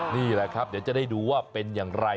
นี่แหละครับเดี๋ยวจะได้ดูว่าเป็นอย่างไร